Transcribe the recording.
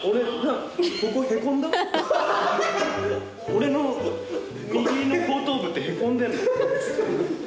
俺の右の後頭部ってへこんでるの？